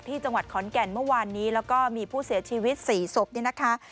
ที่จังหวัดขอนแก่นเมื่อวานนี้แล้วก็มีผู้เสียชีวิต๔ศพเนี่ยนะคะ